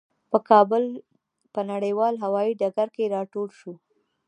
په کابل په نړیوال هوايي ډګر کې راټول شوو.